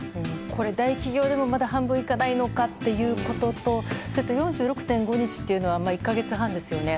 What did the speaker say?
これ、大企業でもまだ半分以下なのかと４６．５日というのは１か月半ですよね。